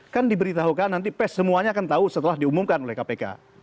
kan diberitahukan nanti pes semuanya akan tahu setelah diumumkan oleh kpk